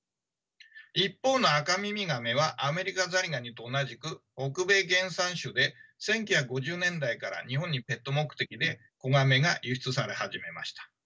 一方のアカミミガメはアメリカザリガニと同じく北米原産種で１９５０年代から日本にペット目的で子ガメが輸出され始めました。